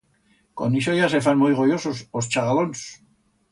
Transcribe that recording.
Con ixo ya se fan muit goyosos os chagalons.